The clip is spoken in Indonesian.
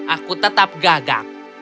aku tetap gagak